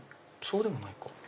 そうでもないか。